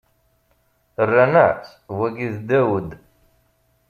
Rran-as: Wagi n Dawed.